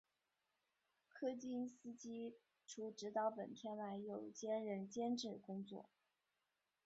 柯金斯基除执导本片外又兼任监制工作。